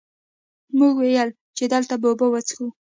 مونږ ويل چې دلته به اوبۀ وڅښو ـ